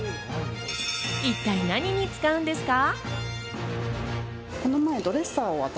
一体何に使うんですか？